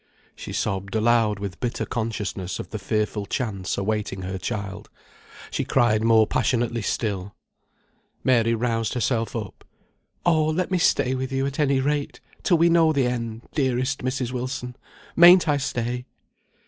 She sobbed aloud with bitter consciousness of the fearful chance awaiting her child. She cried more passionately still. Mary roused herself up. "Oh, let me stay with you, at any rate, till we know the end. Dearest Mrs. Wilson, mayn't I stay?"